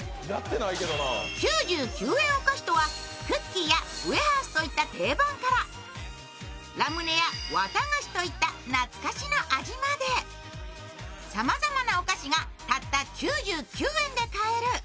お菓子とはクッキーやウエハースといった定番からラムネやわた菓子といった懐かしの味までさまざまなお菓子が、たった９９円で買える。